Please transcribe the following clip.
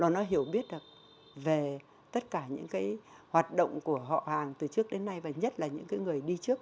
nó hiểu biết về tất cả những cái hoạt động của họ hàng từ trước đến nay và nhất là những cái người đi trước